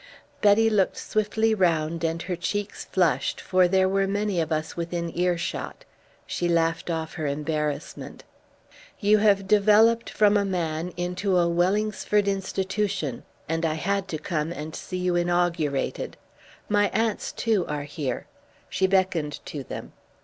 Betty looked swiftly round and her cheeks flushed, for there were many of us within earshot. She laughed off her embarrassment. "You have developed from a man into a Wellingsford Institution, and I had to come and see you inaugurated. My aunts, too, are here." She beckoned to them.